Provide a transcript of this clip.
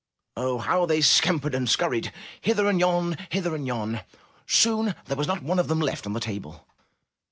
Oh ! how they scampered and scurried ! Hither and yon! Hither and yon! Soon there was not one of them left on the table.